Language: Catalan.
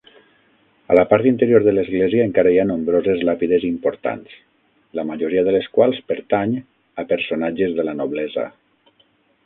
A la part interior de l'església encara hi ha nombroses làpides importants, la majoria de les quals pertany a personatges de la noblesa.